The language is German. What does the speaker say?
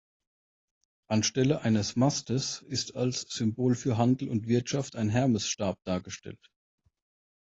Anstelle eines Mastes ist als Symbol für Handel und Wirtschaft ein Hermesstab dargestellt.